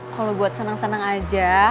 kalo buat seneng seneng aja